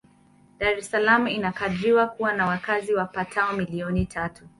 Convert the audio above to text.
Dar es Salaam inakadiriwa kuwa na wakazi wapatao milioni tatu.